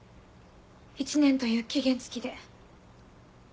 １年という期限付きで。